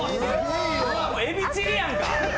えびチリやんか。